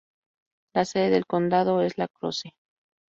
La sede del condado es La Crosse.